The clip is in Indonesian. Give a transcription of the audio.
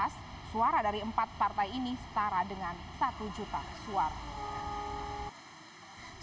suara dari empat partai ini setara dengan satu juta suara